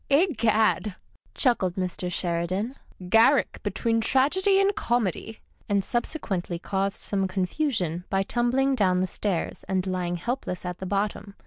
" Egad !" chuckled Mr. Sheridan, " Garrick between Tragedy and Comedy," and subsequently caused some con fusion by tumbling down the stairs and lying helpless at the bottom.